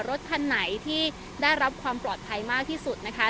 รถคันไหนที่ได้รับความปลอดภัยมากที่สุดนะคะ